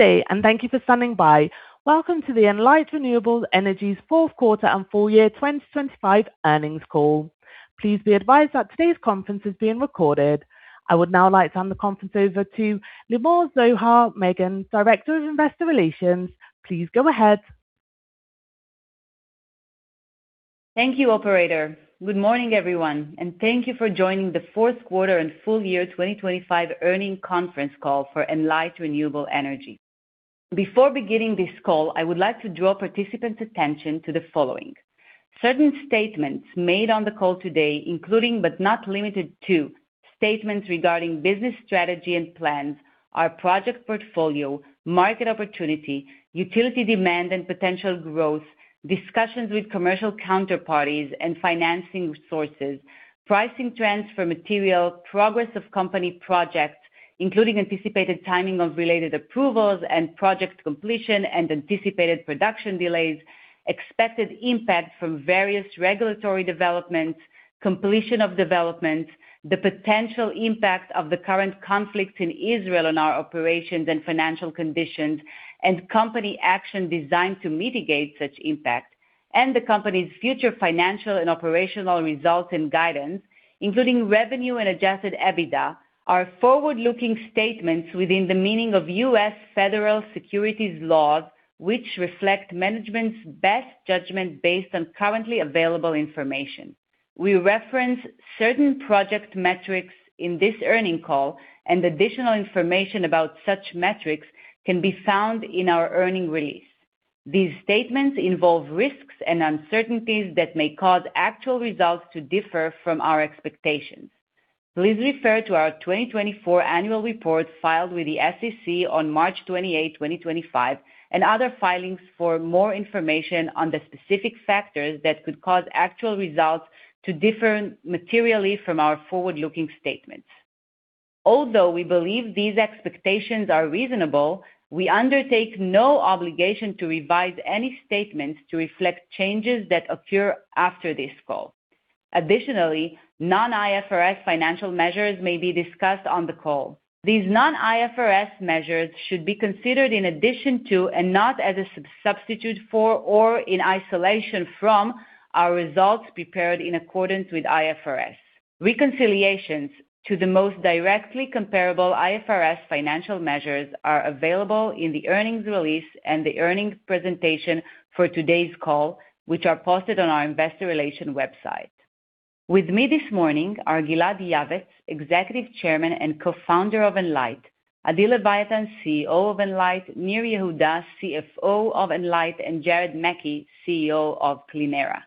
Good day, and thank you for standing by. Welcome to the Enlight Renewable Energy Q4 and full year 2025 earnings call. Please be advised that today's conference is being recorded. I would now like to hand the conference over to Limor Zohar-Megan, Director of Investor Relations. Please go ahead. Thank you, operator. Good morning, everyone, and thank you for joining the Q4 and full year 2025 earnings conference call for Enlight Renewable Energy. Before beginning this call, I would like to draw participants' attention to the following. Certain statements made on the call today, including but not limited to, statements regarding business strategy and plans, our project portfolio, market opportunity, utility demand and potential growth, discussions with commercial counterparties and financing sources, pricing trends for material, progress of company projects, including anticipated timing of related approvals, and project completion and anticipated production delays, expected impact from various regulatory developments, completion of developments, the potential impact of the current conflicts in Israel on our operations and financial conditions, and company action designed to mitigate such impact, and the company's future financial and operational results and guidance, including revenue and Adjusted EBITDA, are forward-looking statements within the meaning of U.S. federal securities laws, which reflect management's best judgment based on currently available information. We reference certain project metrics in this earnings call, and additional information about such metrics can be found in our earnings release. These statements involve risks and uncertainties that may cause actual results to differ from our expectations. Please refer to our 2024 annual report filed with the SEC on March 28, 2025, and other filings for more information on the specific factors that could cause actual results to differ materially from our forward-looking statements. Although we believe these expectations are reasonable, we undertake no obligation to revise any statements to reflect changes that occur after this call. Additionally, non-IFRS financial measures may be discussed on the call. These non-IFRS measures should be considered in addition to and not as a substitute for or in isolation from, our results prepared in accordance with IFRS. Reconciliations to the most directly comparable IFRS financial measures are available in the earnings release and the earnings presentation for today's call, which are posted on our investor relations website. With me this morning are Gilad Yavetz, Executive Chairman and Co-founder of Enlight, Adi Leviatan, CEO of Enlight, Nir Yehuda, CFO of Enlight, and Jared McKee, CEO of Clēnera.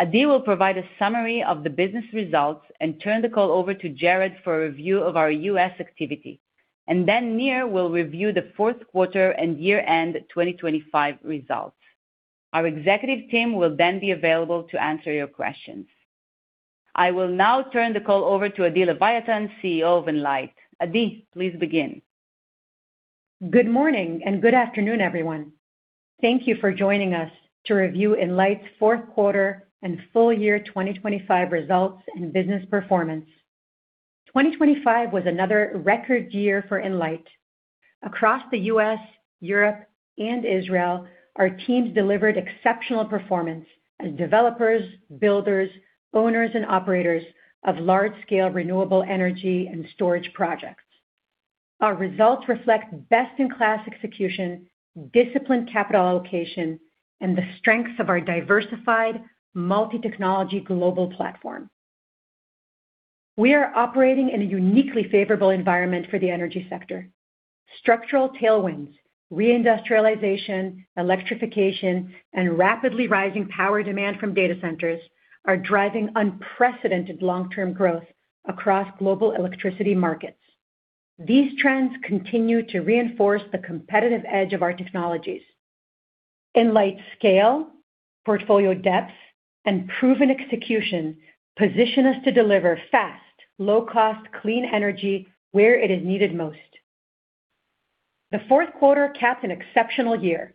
Adi will provide a summary of the business results and turn the call over to Jared for a review of our U.S. activity. And then Nir will review the Q4 and year-end 2025 results. Our executive team will then be available to answer your questions. I will now turn the call over to Adi Leviatan, CEO of Enlight. Adi, please begin. Good morning and good afternoon, everyone. Thank you for joining us to review Enlight's Q4 and full year 2025 results and business performance. 2025 was another record year for Enlight. Across the U.S., Europe, and Israel, our teams delivered exceptional performance as developers, builders, owners, and operators of large-scale renewable energy and storage projects. Our results reflect best-in-class execution, disciplined capital allocation, and the strengths of our diversified multi-technology global platform. We are operating in a uniquely favorable environment for the energy sector. Structural tailwinds, reindustrialization, electrification, and rapidly rising power demand from data centers are driving unprecedented long-term growth across global electricity markets. These trends continue to reinforce the competitive edge of our technologies. Enlight's scale, portfolio depth, and proven execution position us to deliver fast, low cost, clean energy where it is needed most. The Q4 capped an exceptional year.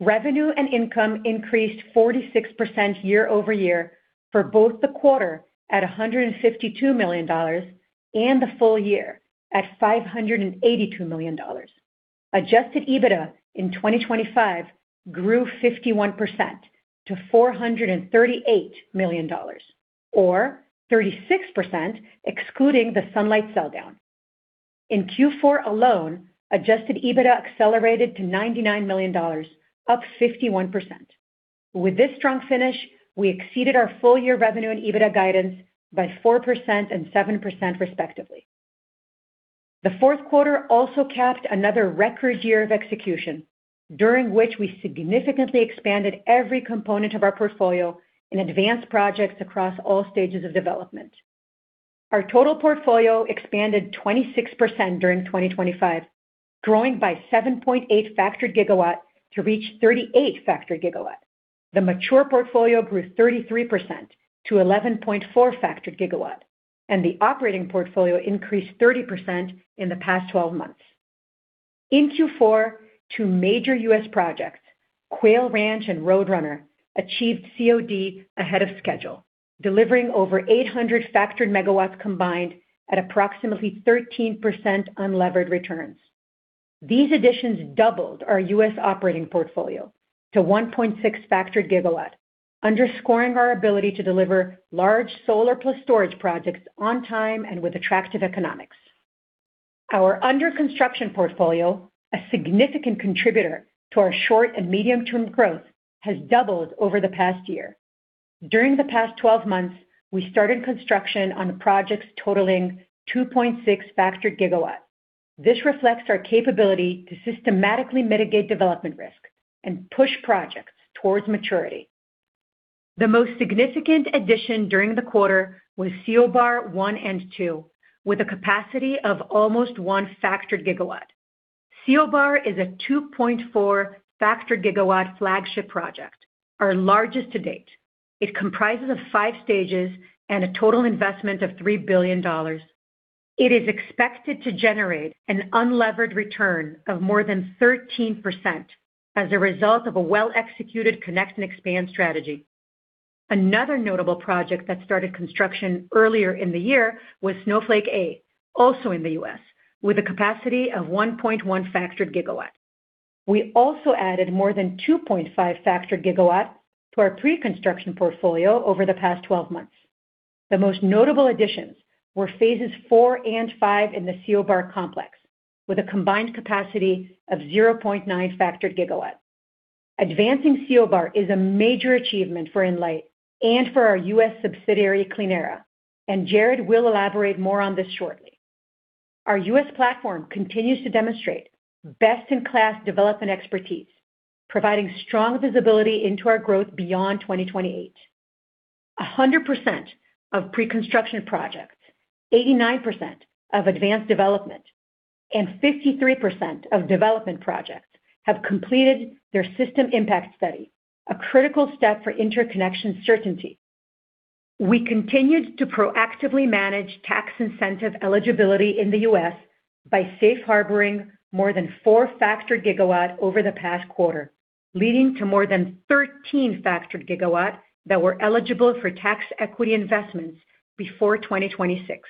Revenue and income increased 46% year-over-year for both the quarter, at $152 million, and the full year at $582 million. Adjusted EBITDA in 2025 grew 51% to $438 million or 36% excluding the Sunlight sell-down. In Q4 alone, adjusted EBITDA accelerated to $99 million, up 51%. With this strong finish, we exceeded our full year revenue and EBITDA guidance by 4% and 7%, respectively. The Q4 also capped another record year of execution, during which we significantly expanded every component of our portfolio in advanced projects across all stages of development. Our total portfolio expanded 26% during 2025, growing by 7.8 factored gigawatts to reach 38 factored gigawatts. The mature portfolio grew 33% to 11.4 factored gigawatts, and the operating portfolio increased 30% in the past 12 months. In Q4, two major U.S. projects, Quail Ranch and Roadrunner, achieved COD ahead of schedule, delivering over 800 factored megawatts combined at approximately 13% unlevered returns. These additions doubled our U.S. operating portfolio to 1.6 factored gigawatts, underscoring our ability to deliver large solar plus storage projects on time and with attractive economics. Our under construction portfolio, a significant contributor to our short and medium-term growth, has doubled over the past year. During the past 12 months, we started construction on projects totaling 2.6 factored gigawatts. This reflects our capability to systematically mitigate development risk and push projects towards maturity. The most significant addition during the quarter was CO Bar One and Two, with a capacity of almost 1 factored gigawatt. CO Bar is a 2.4 factored gigawatt flagship project, our largest to date. It comprises of 5 stages and a total investment of $3 billion. It is expected to generate an unlevered return of more than 13% as a result of a well-executed connect and expand strategy. Another notable project that started construction earlier in the year was Snowflake A, also in the US, with a capacity of 1.1 factored gigawatt. We also added more than 2.5 factored gigawatt to our pre-construction portfolio over the past 12 months. The most notable additions were phases four and five in the CO Bar complex, with a combined capacity of 0.9 factored gigawatt. Advancing CO Bar is a major achievement for Enlight and for our US subsidiary, Clēnera, and Jared will elaborate more on this shortly. Our U.S. platform continues to demonstrate best-in-class development expertise, providing strong visibility into our growth beyond 2028. 100% of pre-construction projects, 89% of advanced development, and 53% of development projects have completed their System Impact Study, a critical step for interconnection certainty. We continued to proactively manage tax incentive eligibility in the U.S. by safe harboring more than 4 factored gigawatts over the past quarter, leading to more than 13 factored gigawatts that were eligible for Tax Equity investments before 2026.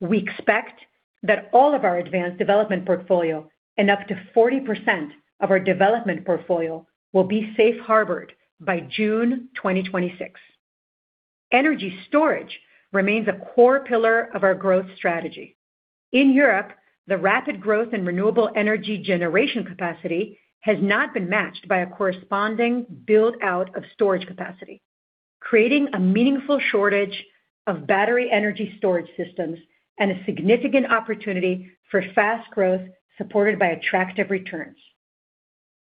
We expect that all of our advanced development portfolio and up to 40% of our development portfolio will be safe harbored by June 2026. Energy storage remains a core pillar of our growth strategy. In Europe, the rapid growth in renewable energy generation capacity has not been matched by a corresponding build-out of storage capacity, creating a meaningful shortage of battery energy storage systems and a significant opportunity for fast growth, supported by attractive returns.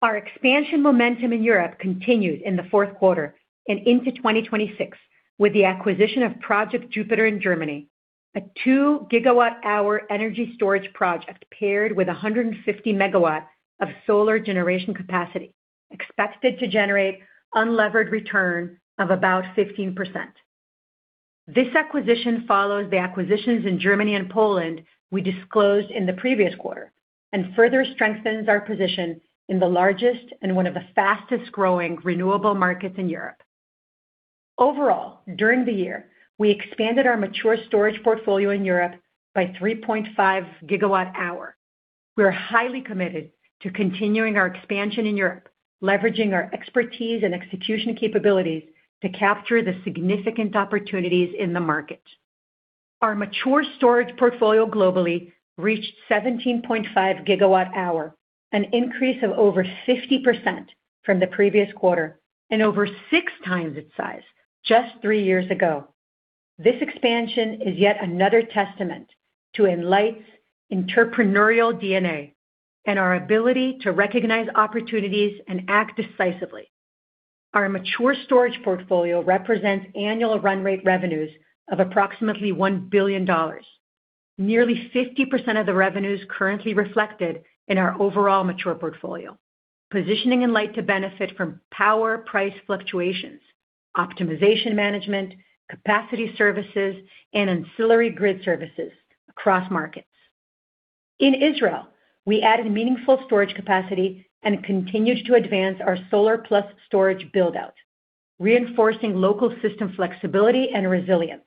Our expansion momentum in Europe continued in the Q4 and into 2026 with the acquisition of Project Jupiter in Germany, a 2 GWh energy storage project paired with 150 MW of solar generation capacity, expected to generate unlevered return of about 15%. This acquisition follows the acquisitions in Germany and Poland we disclosed in the previous quarter and further strengthens our position in the largest and one of the fastest-growing renewable markets in Europe. Overall, during the year, we expanded our mature storage portfolio in Europe by 3.5 GWh. We are highly committed to continuing our expansion in Europe, leveraging our expertise and execution capabilities to capture the significant opportunities in the market. Our mature storage portfolio globally reached 17.5 GWh, an increase of over 50% from the previous quarter and over 6 times its size just 3 years ago. This expansion is yet another testament to Enlight's entrepreneurial DNA and our ability to recognize opportunities and act decisively. Our mature storage portfolio represents annual run rate revenues of approximately $1 billion, nearly 50% of the revenues currently reflected in our overall mature portfolio, positioning Enlight to benefit from power price fluctuations, optimization management, capacity services, and ancillary grid services across markets. In Israel, we added meaningful storage capacity and continued to advance our solar-plus storage build-out, reinforcing local system flexibility and resilience.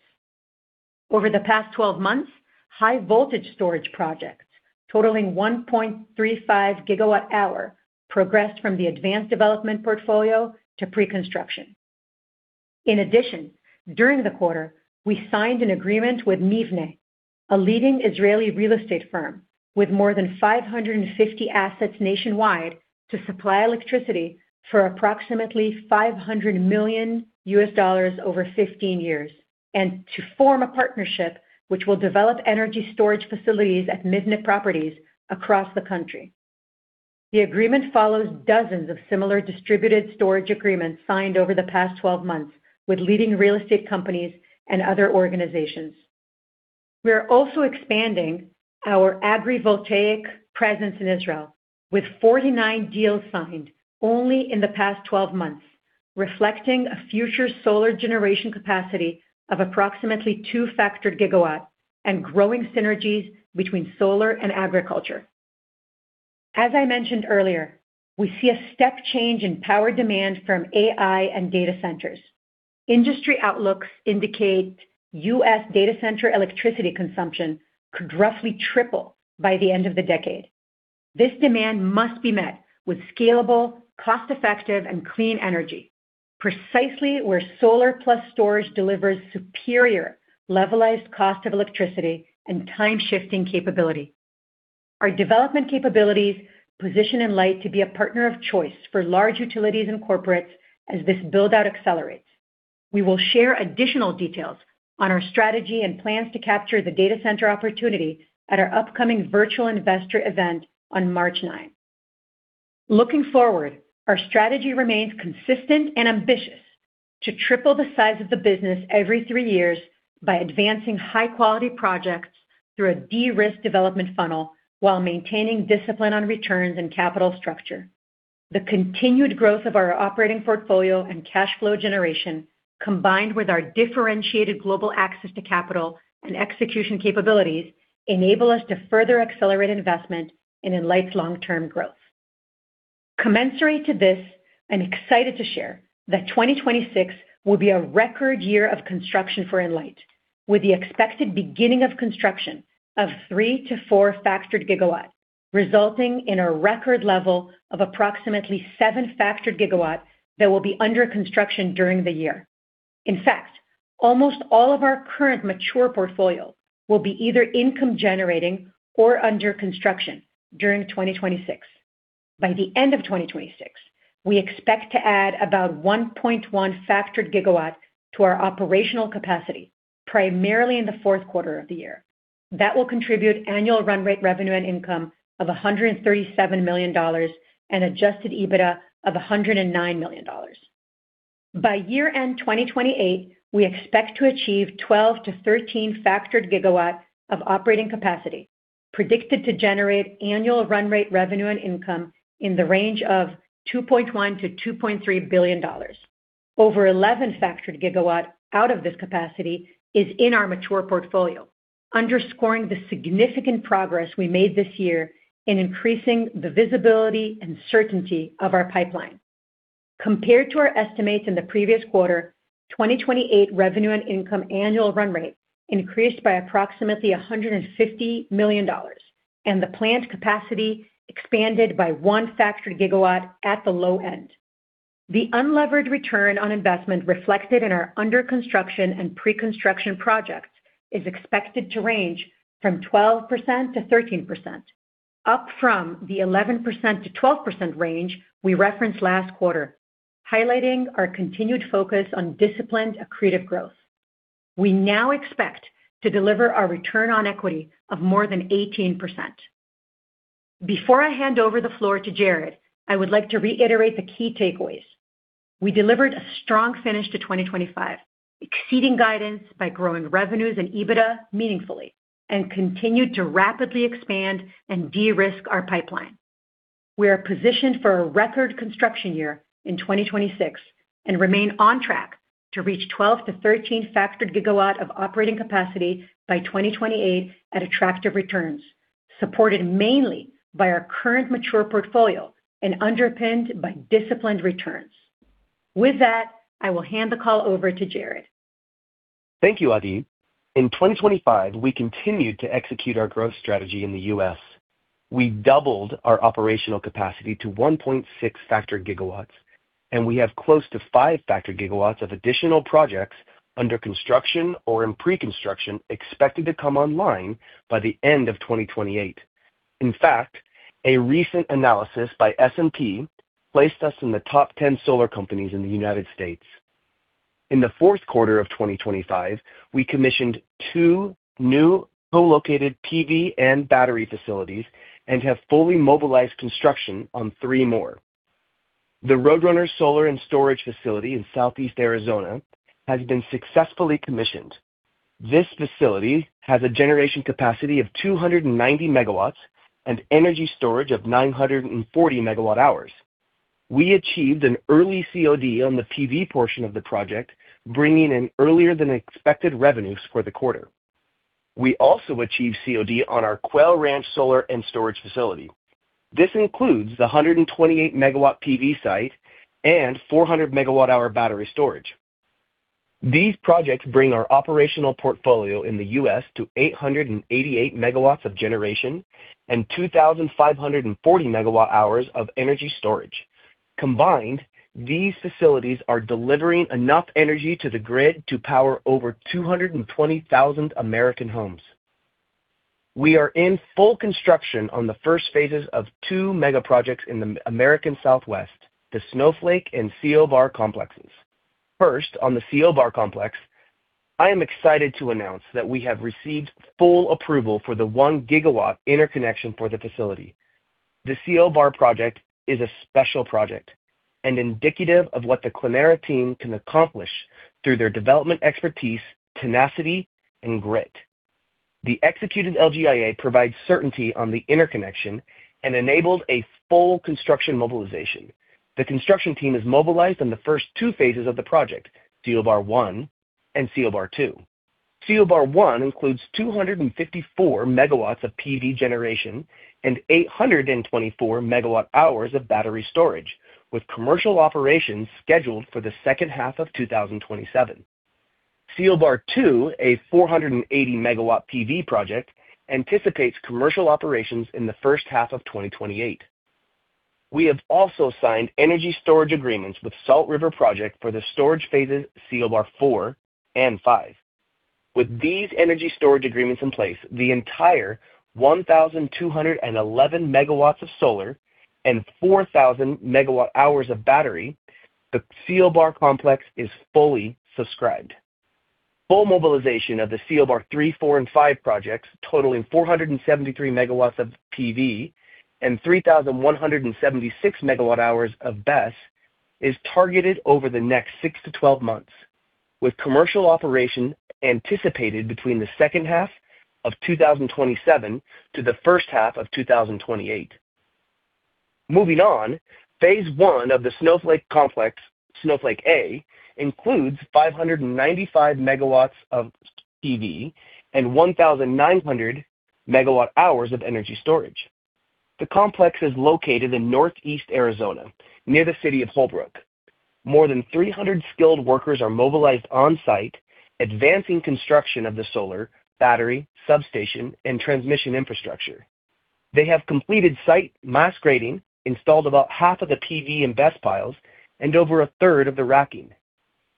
Over the past 12 months, high voltage storage projects totaling 1.35 GWh progressed from the advanced development portfolio to pre-construction. In addition, during the quarter, we signed an agreement with Mivne, a leading Israeli real estate firm with more than 550 assets nationwide, to supply electricity for approximately $500 million over 15 years, and to form a partnership which will develop energy storage facilities at Mihne properties across the country. The agreement follows dozens of similar distributed storage agreements signed over the past 12 months with leading real estate companies and other organizations. We are also expanding our agrivoltaic presence in Israel, with 49 deals signed only in the past 12 months... reflecting a future solar generation capacity of approximately 2 factored gigawatts and growing synergies between solar and agriculture. As I mentioned earlier, we see a step change in power demand from AI and data centers. Industry outlooks indicate U.S. data center electricity consumption could roughly triple by the end of the decade. This demand must be met with scalable, cost-effective, and clean energy, precisely where solar plus storage delivers superior levelized cost of electricity and time-shifting capability. Our development capabilities position Enlight to be a partner of choice for large utilities and corporates as this build-out accelerates. We will share additional details on our strategy and plans to capture the data center opportunity at our upcoming virtual investor event on March 9. Looking forward, our strategy remains consistent and ambitious to triple the size of the business every three years by advancing high-quality projects through a de-risk development funnel, while maintaining discipline on returns and capital structure. The continued growth of our operating portfolio and cash flow generation, combined with our differentiated global access to capital and execution capabilities, enable us to further accelerate investment in Enlight's long-term growth. Commensurate to this, I'm excited to share that 2026 will be a record year of construction for Enlight, with the expected beginning of construction of 3-4 factored gigawatts, resulting in a record level of approximately 7 factored gigawatts that will be under construction during the year. In fact, almost all of our current mature portfolio will be either income generating or under construction during 2026. By the end of 2026, we expect to add about 1.1 factored gigawatts to our operational capacity, primarily in the Q4 of the year. That will contribute annual run rate revenue and income of $137 million and Adjusted EBITDA of $109 million. By year-end, 2028, we expect to achieve 12-13 factored gigawatts of operating capacity, predicted to generate annual run rate revenue and income in the range of $2.1 billion-$2.3 billion. Over 11 factored gigawatts out of this capacity is in our mature portfolio, underscoring the significant progress we made this year in increasing the visibility and certainty of our pipeline. Compared to our estimates in the previous quarter, 2028 revenue and income annual run rate increased by approximately $150 million, and the planned capacity expanded by one factored gigawatt at the low end. The unlevered return on investment reflected in our under construction and pre-construction projects is expected to range from 12%=13%, up from the 11%-12% range we referenced last quarter, highlighting our continued focus on disciplined, accretive growth. We now expect to deliver our return on equity of more than 18%. Before I hand over the floor to Jared, I would like to reiterate the key takeaways. We delivered a strong finish to 2025, exceeding guidance by growing revenues and EBITDA meaningfully, and continued to rapidly expand and de-risk our pipeline. We are positioned for a record construction year in 2026 and remain on track to reach 12-13 factored gigawatt of operating capacity by 2028 at attractive returns, supported mainly by our current mature portfolio and underpinned by disciplined returns. With that, I will hand the call over to Jared. Thank you, Adi. In 2025, we continued to execute our growth strategy in the US. We doubled our operational capacity to 1.6 factored gigawatts, and we have close to 5 factored gigawatts of additional projects under construction or in pre-construction, expected to come online by the end of 2028. In fact, a recent analysis by S&P placed us in the top 10 solar companies in the United States. In the Q4 of 2025, we commissioned two new co-located PV and battery facilities and have fully mobilized construction on three more. The Roadrunner Solar and Storage Facility in Southeast Arizona has been successfully commissioned. This facility has a generation capacity of 290 MGW and energy storage of 940 MGWh. We achieved an early COD on the PV portion of the project, bringing in earlier than expected revenues for the quarter. We also achieved COD on our Quail Ranch Solar and Storage Facility. This includes the 128 MW PV site and 400 MWh battery storage. These projects bring our operational portfolio in the U.S. to 888 MW of generation and 2,540 MWh of energy storage. Combined, these facilities are delivering enough energy to the grid to power over 220,000 American homes. We are in full construction on the first phases of two mega projects in the American Southwest, the Snowflake and CO Bar complexes. First, on the CO Bar Complex, I am excited to announce that we have received full approval for the 1 GW interconnection for the facility. The CO Bar project is a special project and indicative of what the Clēnera team can accomplish through their development, expertise, tenacity, and grit. The executed LGIA provides certainty on the interconnection and enables a full construction mobilization. The construction team is mobilized on the first two phases of the project, CO Bar One and CO Bar Two. CO Bar One includes 254 MGW of PV generation and 824 MGWh of battery storage, with commercial operations scheduled for the second half of 2027. CO Bar Two, a 480-MGW PV project, anticipates commercial operations in the first half of 2028. We have also signed energy storage agreements with Salt River Project for the storage phases CO Bar Four and Five. With these energy storage agreements in place, the entire 1,211 MW of solar and 4,000 MWh of battery, the CO Bar Complex is fully subscribed. Full mobilization of the CO Bar Three, Four, and Five projects, totaling 473 MW of PV and 3,176 MWh of BESS, is targeted over the next 6 to 12 months, with commercial operation anticipated between the second half of 2027 to the first half of 2028. Moving on, Phase 1 of the Snowflake Complex, Snowflake A, includes 595 MW of PV and 1,900 MWh of energy storage. The complex is located in Northeast Arizona, near the city of Holbrook. More than 300 skilled workers are mobilized on-site, advancing construction of the solar, battery, substation, and transmission infrastructure. They have completed site mass grading, installed about 1/2 of the PV and BESS piles, and over a third of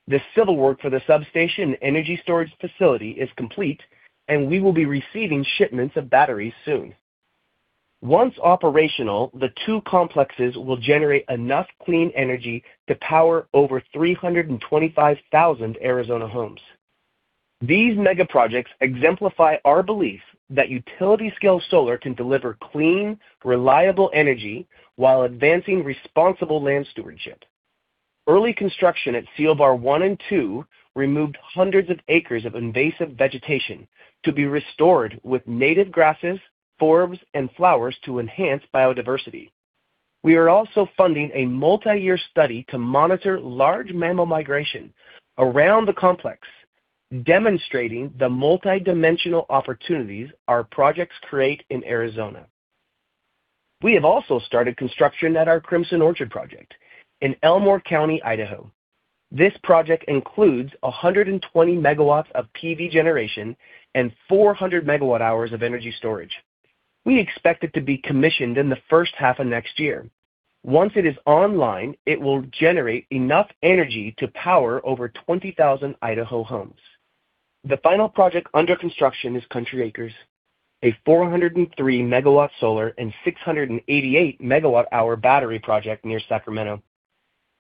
the racking. The civil work for the substation and energy storage facility is complete, and we will be receiving shipments of batteries soon. Once operational, the two complexes will generate enough clean energy to power over 325,000 Arizona homes. These mega projects exemplify our belief that utility-scale solar can deliver clean, reliable energy while advancing responsible land stewardship. Early construction at CO Bar One and Two removed hundreds of acres of invasive vegetation to be restored with native grasses, forbs, and flowers to enhance biodiversity. We are also funding a multiyear study to monitor large mammal migration around the complex, demonstrating the multidimensional opportunities our projects create in Arizona. We have also started construction at our Crimson Orchard project in Elmore County, Idaho. This project includes 120 MW of PV generation and 400 MWh of energy storage. We expect it to be commissioned in the first half of next year. Once it is online, it will generate enough energy to power over 20,000 Idaho homes. The final project under construction is Country Acres, a 403-MW solar and 688 MWh battery project near Sacramento.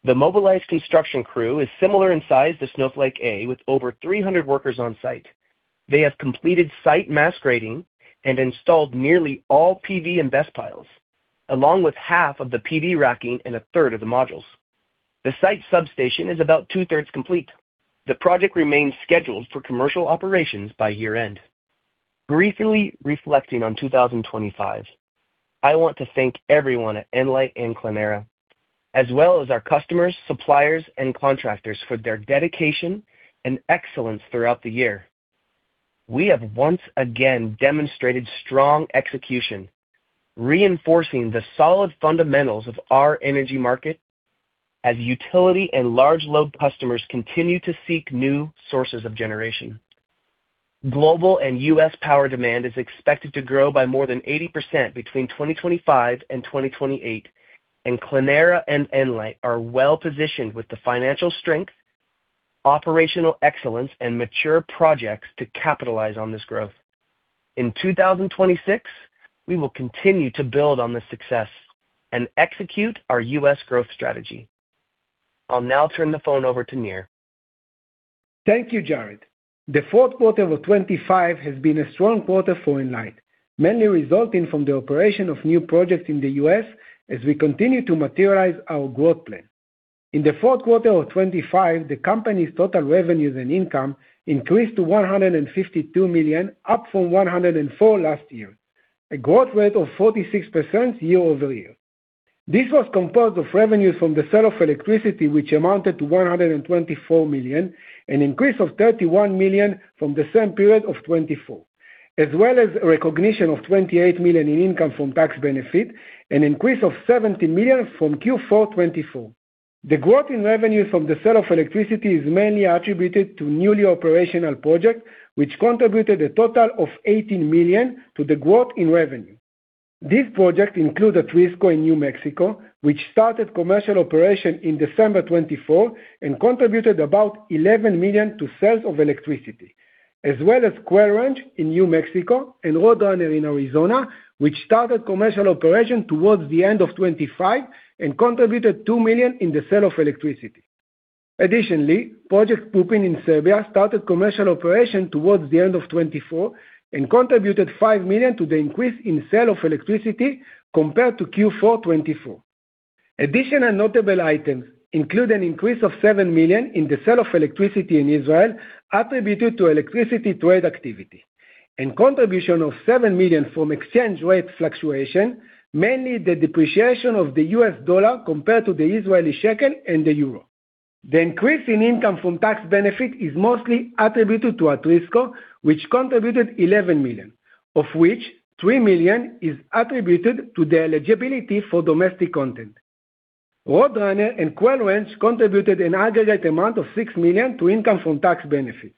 The mobilized construction crew is similar in size to Snowflake A, with over 300 workers on-site. They have completed site mass grading and installed nearly all PV and BESS piles, along with half of the PV racking and a third of the modules. The site substation is about two-thirds complete. The project remains scheduled for commercial operations by year-end. Briefly reflecting on 2025, I want to thank everyone at Enlight and Clēnera, as well as our customers, suppliers, and contractors for their dedication and excellence throughout the year. We have once again demonstrated strong execution, reinforcing the solid fundamentals of our energy market as utility and large load customers continue to seek new sources of generation. Global and US power demand is expected to grow by more than 80% between 2025 and 2028, and Clēnera and Enlight are well positioned with the financial strength, operational excellence, and mature projects to capitalize on this growth. In 2026, we will continue to build on this success and execute our US growth strategy. I'll now turn the phone over to Nir. Thank you, Jared. The Q4 of 2025 has been a strong quarter for Enlight, mainly resulting from the operation of new projects in the U.S. as we continue to materialize our growth plan. In the Q4 of 2025, the company's total revenues and income increased to $152 million, up from $104 million last year, a growth rate of 46% year-over-year. This was composed of revenues from the sale of electricity, which amounted to $124 million, an increase of $31 million from the same period of 2024, as well as a recognition of $28 million in income from tax benefit, an increase of $17 million from Q4 2024. The growth in revenue from the sale of electricity is mainly attributed to newly operational project, which contributed a total of $18 million to the growth in revenue. This project includes Atrisco in New Mexico, which started commercial operation in December 2024 and contributed about $11 million to sales of electricity, as well as Quail Ranch in New Mexico and Roadrunner in Arizona, which started commercial operation towards the end of 2025 and contributed $2 million in the sale of electricity. Additionally, Project Pupin in Serbia started commercial operation towards the end of 2024 and contributed $5 million to the increase in sale of electricity compared to Q4 2024. Additional notable items include an increase of $7 million in the sale of electricity in Israel, attributed to electricity trade activity, and contribution of $7 million from exchange rate fluctuation, mainly the depreciation of the US dollar compared to the Israeli shekel and the euro. The increase in income from tax benefit is mostly attributed to Atrisco, which contributed $11 million, of which $3 million is attributed to the eligibility for domestic content. Roadrunner and Quail Ranch contributed an aggregate amount of $6 million to income from tax benefit.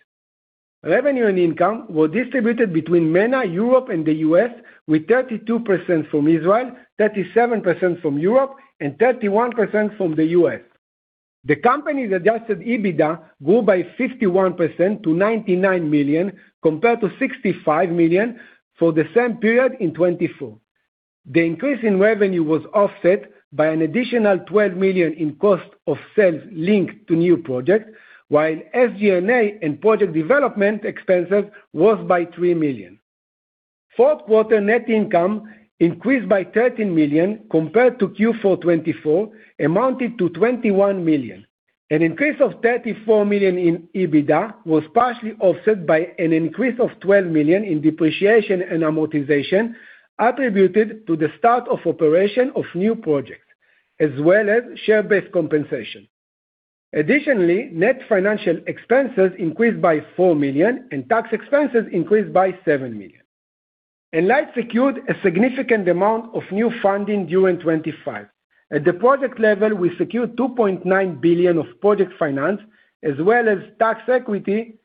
Revenue and income were distributed between Mena, Europe and the US, with 32% from Israel, 37% from Europe and 31% from the US. The company's Adjusted EBITDA grew by 51% to $99 million, compared to $65 million for the same period in 2024. The increase in revenue was offset by an additional $12 million in cost of sales linked to new projects, while SG&A and project development expenses rose by $3 million. Q4 net income increased by $13 million compared to Q4 2024, amounted to $21 million. An increase of $34 million in EBITDA was partially offset by an increase of $12 million in depreciation and amortization, attributed to the start of operation of new projects, as well as share-based compensation. Additionally, net financial expenses increased by $4 million and tax expenses increased by $7 million. Enlight secured a significant amount of new funding during 2025. At the project level, we secured $2.9 billion of project finance, as well as tax equity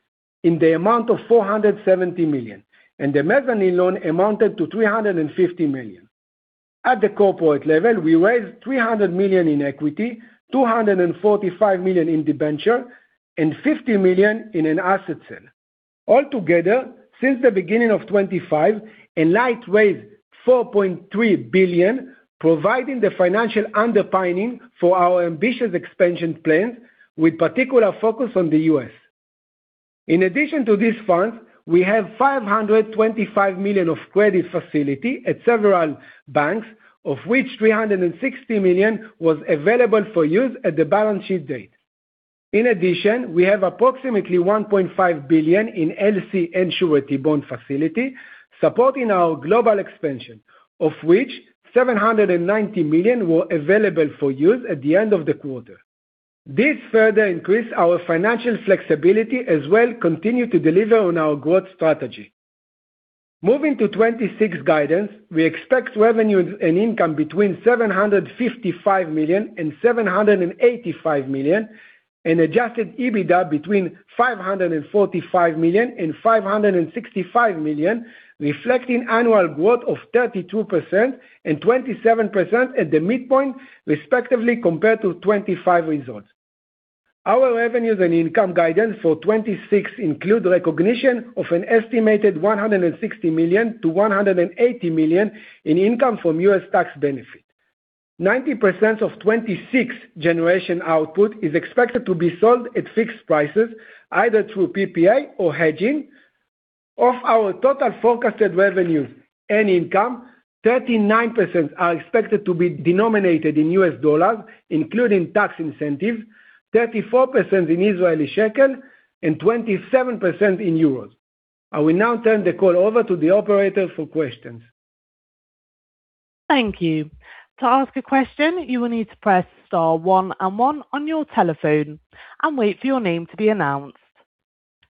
in the amount of $470 million, and the mezzanine loan amounted to $350 million. At the corporate level, we raised $300 million in equity, $245 million in debenture and $50 million in an asset sale. Altogether, since the beginning of 2025, Enlight raised $4.3 billion, providing the financial underpinning for our ambitious expansion plans, with particular focus on the U.S. In addition to these funds, we have $525 million of credit facility at several banks, of which $360 million was available for use at the balance sheet date. In addition, we have approximately $1.5 billion in LC and surety bond facility, supporting our global expansion, of which $790 million were available for use at the end of the quarter. This further increased our financial flexibility as well continue to deliver on our growth strategy. Moving to 2026 guidance, we expect revenue and income between $755 million and $785 million, and Adjusted EBITDA between $545 million and $565 million, reflecting annual growth of 32% and 27% at the midpoint, respectively, compared to 2025 results. Our revenues and income guidance for 2026 include recognition of an estimated $160 million-$180 million in income from U.S. tax benefit. 90% of 2026 generation output is expected to be sold at fixed prices, either through PPA or hedging. Of our total forecasted revenues and income, 39% are expected to be denominated in U.S. dollars, including tax incentives, 34% in Israeli shekel and 27% in euros. I will now turn the call over to the operator for questions. Thank you. To ask a question, you will need to press star one and one on your telephone and wait for your name to be announced.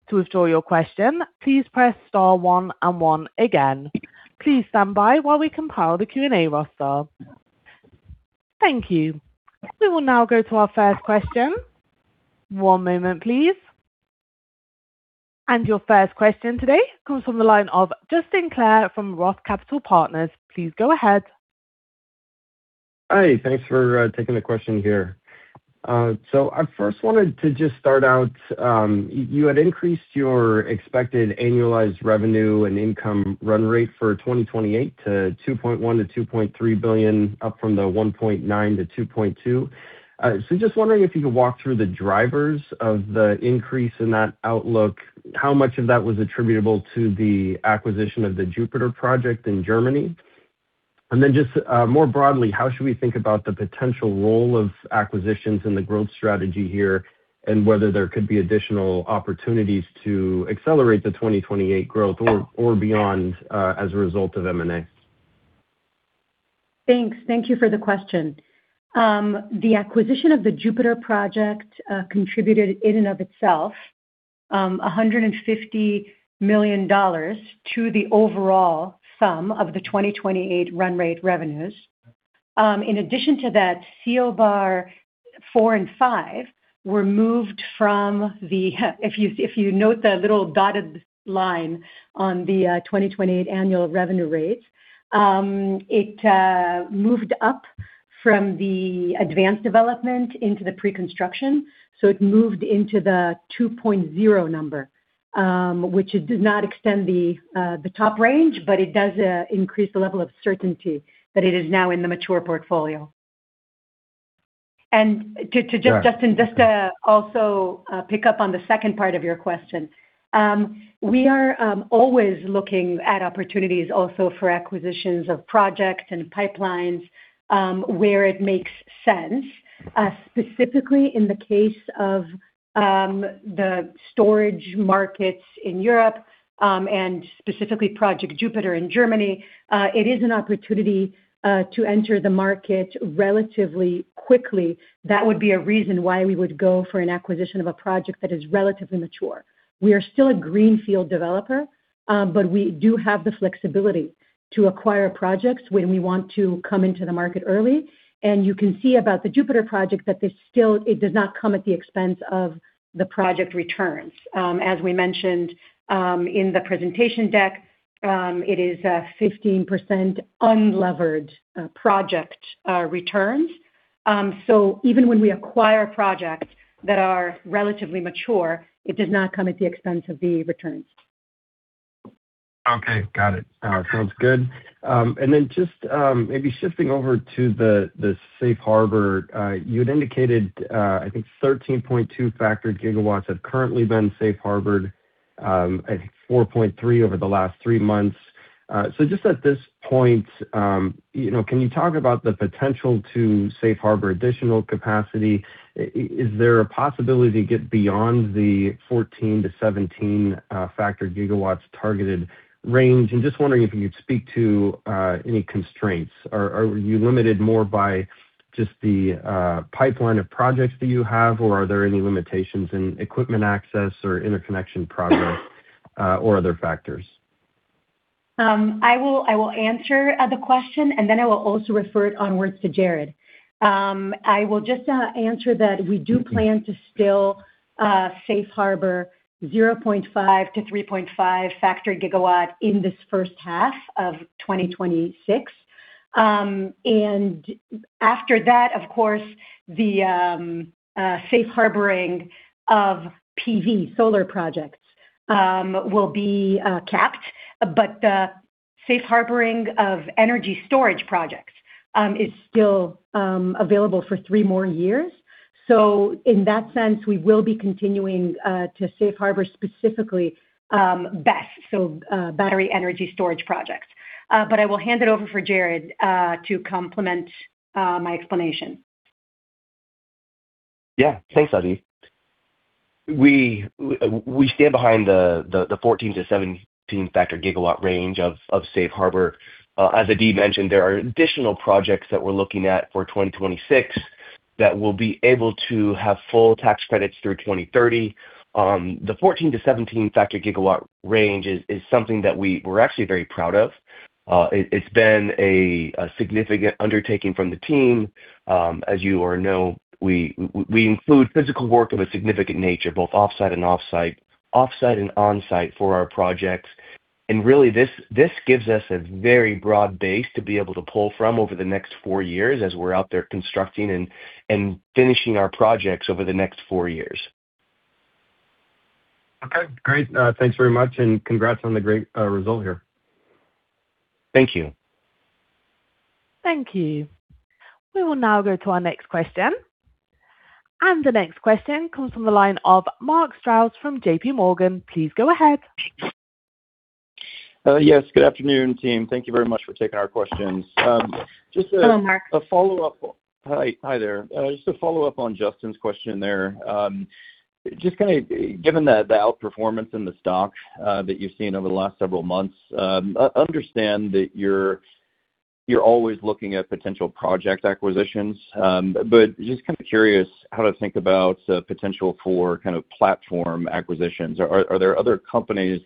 To withdraw your question, please press star one and one again. Please stand by while we compile the Q&A roster. Thank you. We will now go to our first question. One moment, please. And your first question today comes from the line of Justin Clare from Roth Capital Partners. Please go ahead. Hi, thanks for taking the question here. I first wanted to just start out, you had increased your expected annualized revenue and income run rate for 2028 to $2.1 billion-$2.3 billion, up from the $1.9 billion-$2.2 billion. Just wondering if you could walk through the drivers of the increase in that outlook, how much of that was attributable to the acquisition of the Project Jupiter in Germany? And then just more broadly, how should we think about the potential role of acquisitions in the growth strategy here, and whether there could be additional opportunities to accelerate the 2028 growth or beyond, as a result of M&A? Thanks. Thank you for the question. The acquisition of the Project Jupiter project contributed in and of itself $150 million to the overall sum of the 2028 run rate revenues. In addition to that, CO Bar four and five were moved from the—if you, if you note the little dotted line on the 2028 annual revenue rates, it moved up from the advanced development into the pre-construction. So it moved into the 2.0 number, which it does not extend the top range, but it does increase the level of certainty that it is now in the mature portfolio.... And to just, Justin, just to also pick up on the second part of your question. We are always looking at opportunities also for acquisitions of projects and pipelines, where it makes sense. Specifically in the case of the storage markets in Europe, and specifically Project Jupiter in Germany, it is an opportunity to enter the market relatively quickly. That would be a reason why we would go for an acquisition of a project that is relatively mature. We are still a greenfield developer, but we do have the flexibility to acquire projects when we want to come into the market early. And you can see about the Jupiter project that there's still it does not come at the expense of the project returns. As we mentioned, in the presentation deck, it is 15% unlevered project returns. Even when we acquire projects that are relatively mature, it does not come at the expense of the returns. Okay, got it. Sounds good. And then just maybe shifting over to the safe harbor. You had indicated, I think 13.2 factored gigawatts have currently been safe harbored, I think 4.3 over the last three months. So just at this point, you know, can you talk about the potential to safe harbor additional capacity? Is there a possibility to get beyond the 14-17 factored gigawatts targeted range? And just wondering if you'd speak to any constraints. Are you limited more by just the pipeline of projects that you have, or are there any limitations in equipment access or interconnection progress, or other factors? I will, I will answer the question, and then I will also refer it onwards to Jared. I will just answer that we do plan to still safe harbor 0.5-3.5 factored gigawatts in this first half of 2026. And after that, of course, the safe harboring of PV solar projects will be capped, but the safe harboring of energy storage projects is still available for three more years. So in that sense, we will be continuing to safe harbor specifically BESS, so battery energy storage projects. But I will hand it over for Jared to complement my explanation. Yeah. Thanks, Adi. We stand behind the 14-17 factored gigawatt range of Safe Harbor. As Adi mentioned, there are additional projects that we're looking at for 2026, that will be able to have full tax credits through 2030. The 14-17 factored gigawatt range is something that we're actually very proud of. It’s been a significant undertaking from the team. As you all know, we include physical work of a significant nature, both offsite and onsite for our projects. And really, this gives us a very broad base to be able to pull from over the next four years as we're out there constructing and finishing our projects over the next four years. Okay, great. Thanks very much, and congrats on the great result here. Thank you. Thank you. We will now go to our next question. The next question comes from the line of Mark Strouse from JPMorgan. Please go ahead. Yes, good afternoon, team. Thank you very much for taking our questions. Hello, Mark. a follow-up. Hi. Hi there. Just a follow-up on Justin's question there. Just kind of given the outperformance in the stock that you've seen over the last several months, understand that you're always looking at potential project acquisitions, but just kind of curious how to think about the potential for kind of platform acquisitions. Are there other companies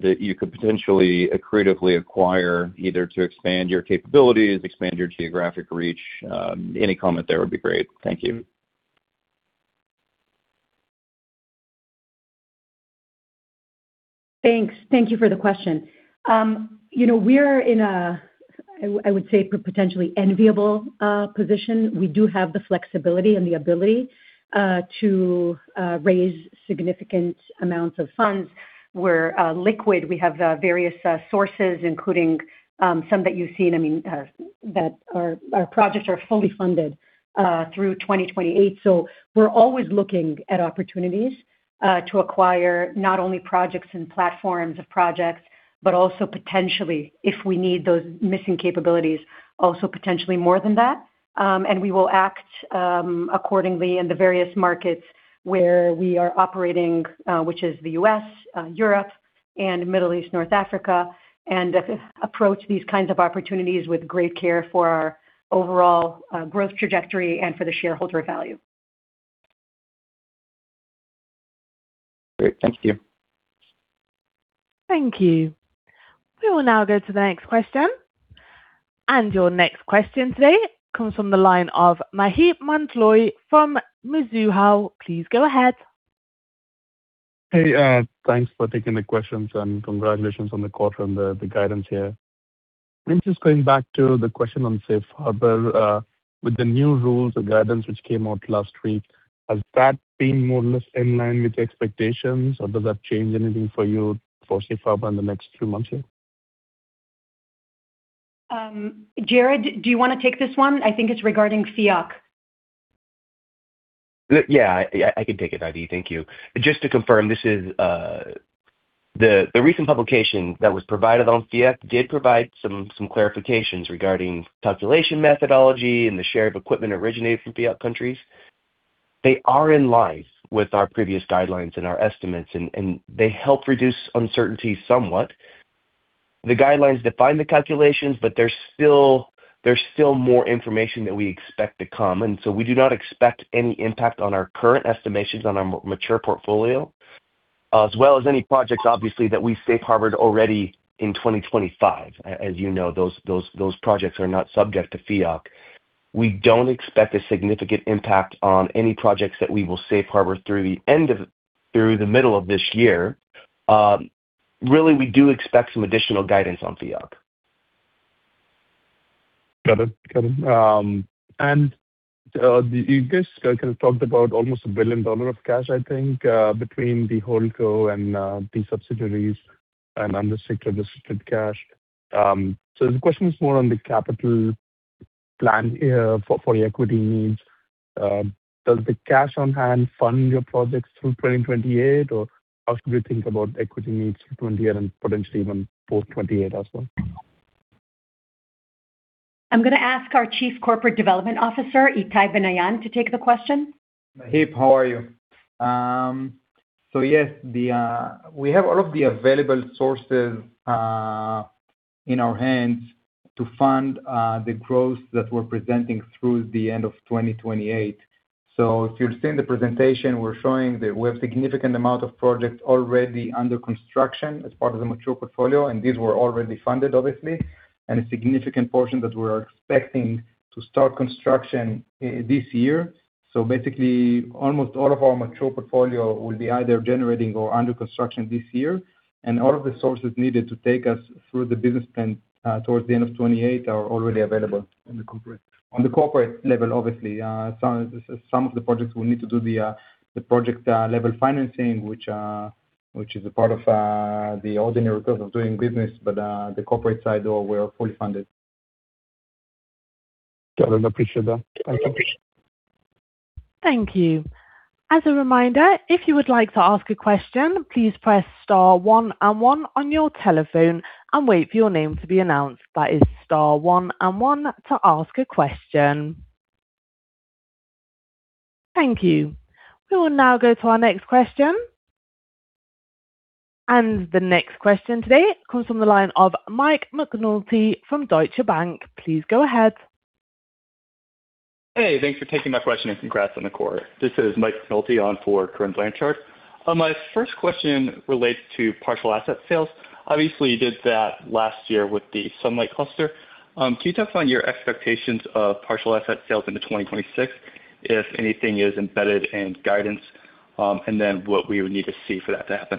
that you could potentially creatively acquire, either to expand your capabilities, expand your geographic reach? Any comment there would be great. Thank you. Thanks. Thank you for the question. You know, we're in a, I, I would say, potentially enviable position. We do have the flexibility and the ability to raise significant amounts of funds. We're liquid. We have various sources, including some that you've seen, I mean, that our projects are fully funded through 2028. So we're always looking at opportunities to acquire not only projects and platforms of projects, but also potentially, if we need those missing capabilities, also potentially more than that. And we will act accordingly in the various markets where we are operating, which is the U.S., Europe and Middle East, North Africa, and approach these kinds of opportunities with great care for our overall growth trajectory and for the shareholder value. Great. Thank you. Thank you. We will now go to the next question. Your next question today comes from the line of Maheep Mandloi from Mizuho. Please go ahead. Hey, thanks for taking the questions, and congratulations on the quarter and the guidance here. I'm just going back to the question on Safe Harbor. With the new rules, the guidance which came out last week, has that been more or less in line with expectations, or does that change anything for you for Safe Harbor in the next three months here?... Jared, do you want to take this one? I think it's regarding FIOC. Yeah, I can take it, Adi. Thank you. Just to confirm, this is the recent publication that was provided on FIOC did provide some clarifications regarding population methodology and the share of equipment originated from FIOC countries. They are in line with our previous guidelines and our estimates, and they help reduce uncertainty somewhat. The guidelines define the calculations, but there's still more information that we expect to come, and so we do not expect any impact on our current estimations on our mature portfolio, as well as any projects, obviously, that we safe harbored already in 2025. As you know, those projects are not subject to FIOC. We don't expect a significant impact on any projects that we will safe harbor through the middle of this year. Really, we do expect some additional guidance on FIOC. Got it. Got it. And, you guys kind of talked about almost $1 billion of cash, I think, between the whole co and the subsidiaries and unrestricted restricted cash. So the question is more on the capital plan for the equity needs. Does the cash on hand fund your projects through 2028, or how should we think about equity needs through 2028 and potentially even post-2028 as well? I'm gonna ask our Chief Corporate Development Officer, Itay Benayan, to take the question. Maheep, how are you? So yes, we have all of the available sources in our hands to fund the growth that we're presenting through the end of 2028. So if you've seen the presentation, we're showing that we have significant amount of projects already under construction as part of the mature portfolio, and these were already funded, obviously, and a significant portion that we're expecting to start construction this year. So basically, almost all of our mature portfolio will be either generating or under construction this year, and all of the sources needed to take us through the business plan towards the end of 2028 are already available. On the corporate- On the corporate level, obviously. Some of the projects will need to do the project level financing, which is a part of the ordinary course of doing business, but the corporate side, though, we're fully funded. Got it. I appreciate that. Thank you. Thank you. As a reminder, if you would like to ask a question, please press star one and one on your telephone and wait for your name to be announced. That is star one and one to ask a question. Thank you. We will now go to our next question. The next question today comes from the line of Mike McNulty from Deutsche Bank. Please go ahead. Hey, thanks for taking my question, and congrats on the quarter. This is Mike McNulty on for Corinne Blanchard. My first question relates to partial asset sales. Obviously, you did that last year with the Sunlight cluster. Can you talk about your expectations of partial asset sales into 2026, if anything is embedded in guidance, and then what we would need to see for that to happen?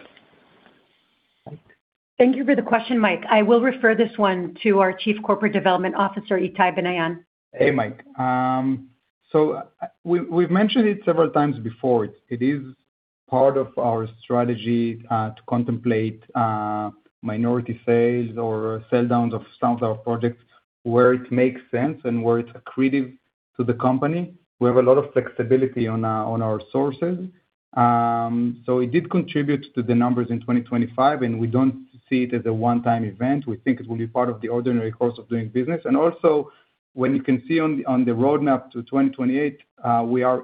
Thank you for the question, Mike. I will refer this one to our Chief Corporate Development Officer, Itay Benayan. Hey, Mike. So we, we've mentioned it several times before. It is part of our strategy to contemplate minority sales or sell downs of some of our projects where it makes sense and where it's accretive to the company. We have a lot of flexibility on our sources. So it did contribute to the numbers in 2025, and we don't see it as a one-time event. We think it will be part of the ordinary course of doing business. And also, when you can see on the roadmap to 2028, we are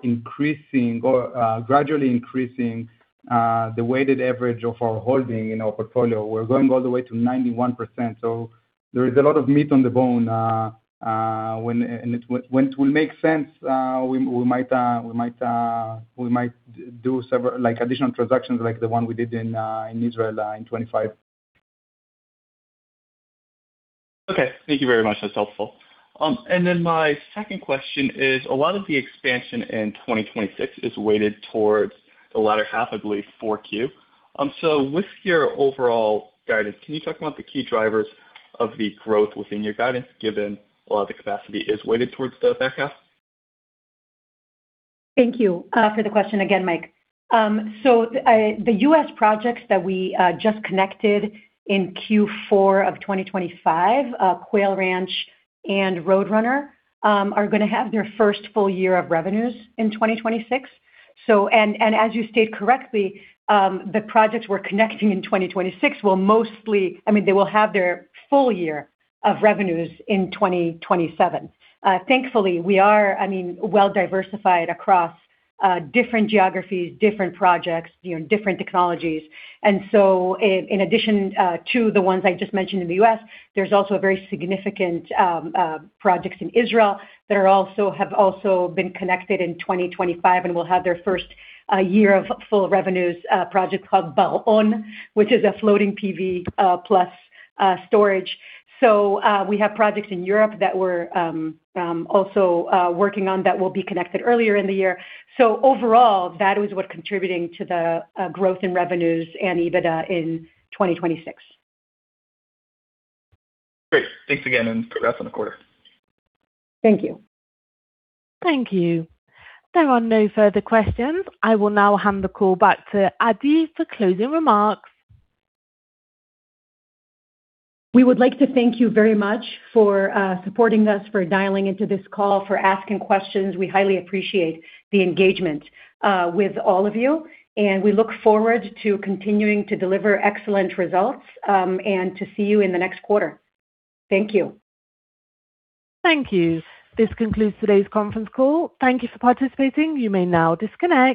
gradually increasing the weighted average of our holding in our portfolio. We're going all the way to 91%, so there is a lot of meat on the bone when... It's when it will make sense, we might do several, like, additional transactions like the one we did in Israel in 2025. Okay. Thank you very much. That's helpful. And then my second question is, a lot of the expansion in 2026 is weighted towards the latter half, I believe, Q4. So with your overall guidance, can you talk about the key drivers of the growth within your guidance, given a lot of the capacity is weighted towards the back half? Thank you for the question again, Mike. So, the US projects that we just connected in Q4 of 2025, Quail Ranch and Roadrunner, are gonna have their first full year of revenues in 2026. So, and as you stated correctly, the projects we're connecting in 2026 will mostly-- I mean, they will have their full year of revenues in 2027. Thankfully, we are, I mean, well diversified across different geographies, different projects, you know, different technologies. And so in addition to the ones I just mentioned in the US, there's also a very significant projects in Israel that are also have also been connected in 2025 and will have their first year of full revenues, project called Bal-On, which is a floating PV plus storage. So, we have projects in Europe that we're also working on that will be connected earlier in the year. So overall, that is what contributing to the growth in revenues and EBITDA in 2026. Great, thanks again, and congrats on the quarter. Thank you. Thank you. There are no further questions. I will now hand the call back to Adi for closing remarks. We would like to thank you very much for supporting us, for dialing into this call, for asking questions. We highly appreciate the engagement with all of you, and we look forward to continuing to deliver excellent results, and to see you in the next quarter. Thank you. Thank you. This concludes today's conference call. Thank you for participating. You may now disconnect.